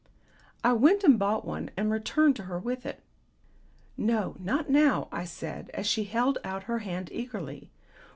I went and bought one and returned to her with it. "No, not now," I said, as she held out her hand eagerly.